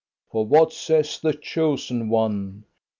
For what says the chosen one?"